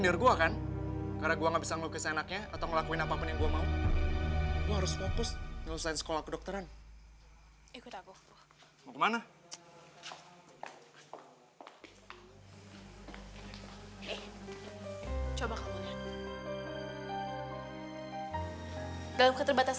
dalam keterbatasan mereka mereka bisa ngelakuin apapun yang mereka mau